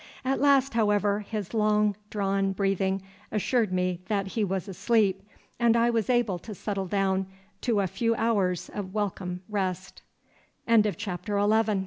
At last, however, his long drawn breathing assured me that he was asleep, and I was able to settle down to a few hours of welcome r